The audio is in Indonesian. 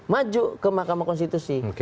maju ke makamah konstitusi